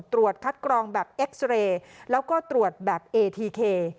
ตรวจคัดกรองแบบเอ็กซ์เรย์แล้วก็ตรวจแบบเอทีเค